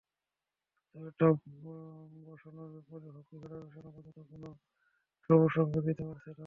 তবে টার্ফ বসানোর ব্যাপারে হকি ফেডারেশন আপাতত কোনো সবুজসংকেত দিতে পারছে না।